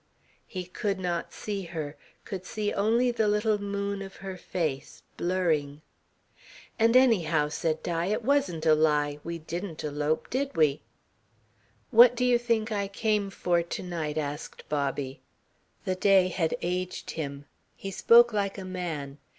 He could not see her, could see only the little moon of her face, blurring. "And anyhow," said Di, "it wasn't a lie. We didn't elope, did we?" "What do you think I came for to night?" asked Bobby. The day had aged him; he spoke like a man.